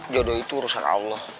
jodoh itu urusan allah